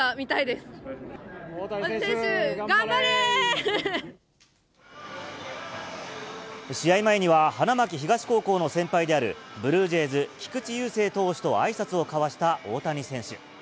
大谷選手、頑張れ！試合前には、花巻東高校の先輩であるブルージェイズ、菊池雄星投手とあいさつを交わした大谷選手。